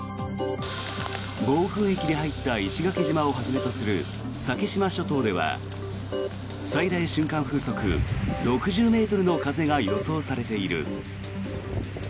暴風域に入った石垣島をはじめとする先島諸島では最大瞬間風速６０ｍの風が予想されている。